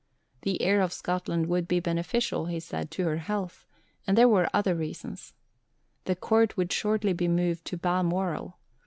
The air of Scotland would be beneficial, he said, to her health; and there were other reasons. The Court would shortly be moved to Balmoral.